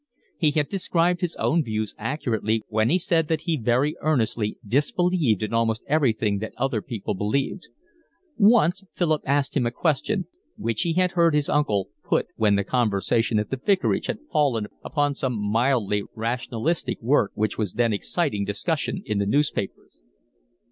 He had described his own views accurately when he said that he very earnestly disbelieved in almost everything that other people believed. Once Philip asked him a question, which he had heard his uncle put when the conversation at the vicarage had fallen upon some mildly rationalistic work which was then exciting discussion in the newspapers.